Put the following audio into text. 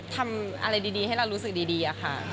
ทำอะไรดีให้เรารู้สึกดีอะค่ะ